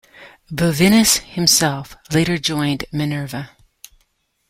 Vivinus himself later joined Minerva.